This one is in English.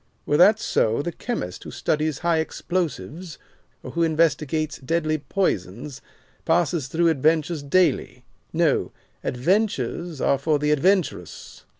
Were that so, the chemist who studies high explosives, or who investigates deadly poisons, passes through adventures daily. No, 'adventures are for the adventurous.